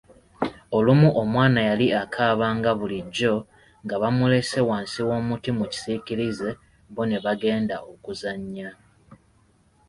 Olumu omwana yali akaaba nga bulijjo, nga bamulese wansi w'omutti mu kisiikirize bbo ne bagenda okuzannya.